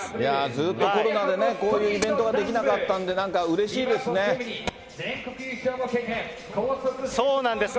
ずっとコロナでこういうイベントができなかったんで、なんかそうなんです。